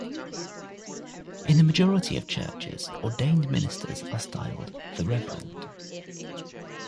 In the majority of churches, ordained ministers are styled "The Reverend".